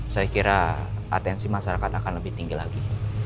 saya kira atensi masyarakat akan lebih tinggi lagi